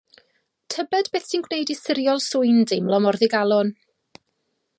Tybed beth sy'n gwneud i Siriol Swyn deimlo mor ddigalon?